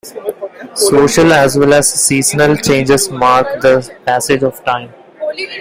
Social as well as seasonal changes mark the passage of time.